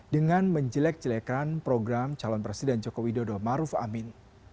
dengan menjelek jelekan program calon presiden joko widodo maruf amin